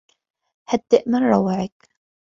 هدّء من روعك.